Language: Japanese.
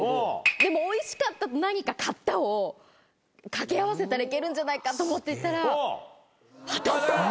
でも「おいしかった」と何か「買った」を掛け合わせたらいけるんじゃないかと思っていったら当たった！